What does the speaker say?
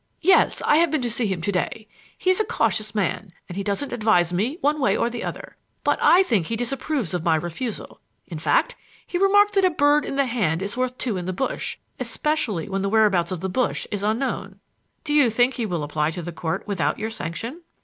"Yes, I have been to see him to day. He is a cautious man, and he doesn't advise me one way or the other. But I think he disapproves of my refusal; in fact, he remarked that a bird in the hand is worth two in the bush, especially when the whereabouts of the bush is unknown." "Do you think he will apply to the Court without your sanction?"